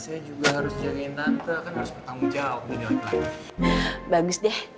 saya juga harus jagain nante kan harus bertanggung jawab dari mano kalau mau kulonnya ini bagus deh